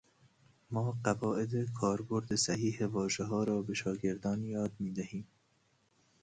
ما قواعد کاربرد صحیح واژهها را به شاگردان یاد میدهیم.